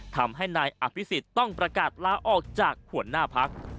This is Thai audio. ทำให้นายอภิษฎต้องประกาศลาออกจากหัวหน้าพัก